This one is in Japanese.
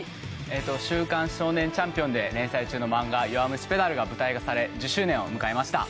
「週刊少年チャンピオン」で連載中の漫画「弱虫ペダル」が舞台化され、１０周年を迎えました。